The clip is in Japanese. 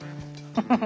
フフフ。